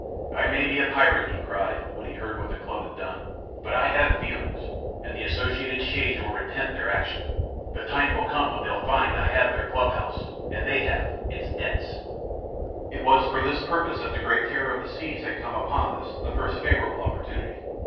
"I may be a pirate," he cried, when he heard what the club had done, "but I have feelings, and the Associated Shades will repent their action. The time will come when they'll find that I have their club house, and they have its debts." It was for this purpose that the great terror of the seas had come upon this, the first favorable opportunity.